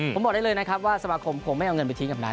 ผมบอกได้เลยนะครับว่าสมาคมคงไม่เอาเงินไปทิ้งกับนั้น